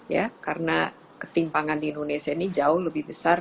ya karena ketimpangan di indonesia ini jauh lebih besar